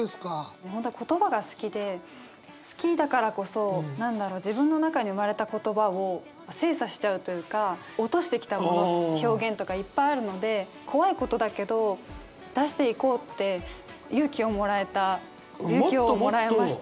もう本当言葉が好きで好きだからこそ何だろう自分の中に生まれた言葉を精査しちゃうというか落としてきた表現とかいっぱいあるので怖いことだけど出していこうって勇気をもらえました。